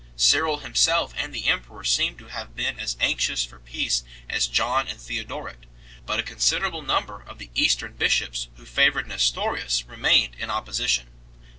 Cyril himself and the emperor seem to have been as anxious for peace as John and Theodoret ; but a consider able number of the Eastern bishops who favoured Nestorius remained in opposition.